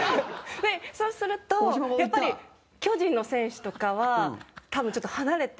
そうするとやっぱり、巨人の選手とかは多分、ちょっと離れて。